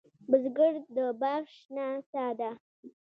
بزګر د باغ شنه سا ده